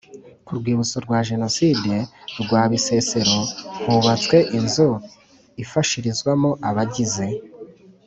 Ku rwibutso rwa Jenoside rwa Bisesero hubatswe inzu ifashirizwamo abagize